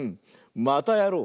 またやろう！